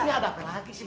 ini ada apa lagi sih